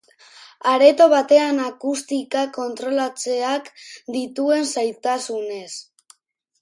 Areto batean akustika kontrolatzeak dituen zailtasunez.